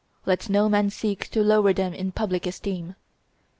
Let no man seek to lower them in public esteem.